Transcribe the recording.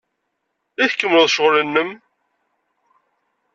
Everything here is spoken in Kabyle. I tkemmleḍ ccɣel-nnem?